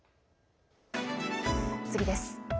次です。